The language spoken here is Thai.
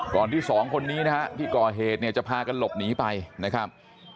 ที่สองคนนี้นะฮะที่ก่อเหตุเนี่ยจะพากันหลบหนีไปนะครับ